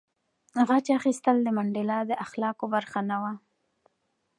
غچ اخیستل د منډېلا د اخلاقو برخه نه وه.